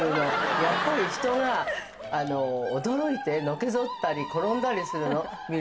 やっぱり人が驚いて、のけぞって転んだりするの見る